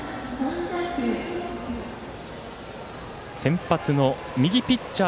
先発の右ピッチャー